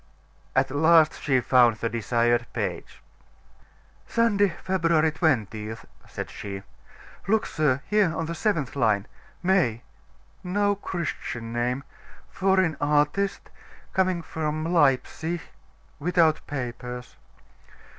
At last she found the desired page. "Sunday, February 20th," said she. "Look, sir: here on the seventh line May no Christian name foreign artist coming from Leipsic without papers."